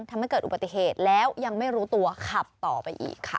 ทำให้เกิดอุบัติเหตุแล้วยังไม่รู้ตัวขับต่อไปอีกค่ะ